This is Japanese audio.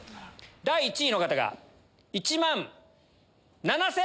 第１位の方が１万７千。